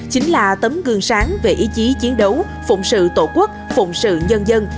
chính là tấm gương sáng về ý chí chiến đấu phụng sự tổ quốc phụng sự nhân dân